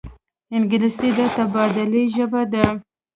انګلیسي د تبادلې ژبه ده